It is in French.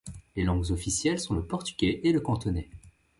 Les langues officielles sont le portugais et le cantonais.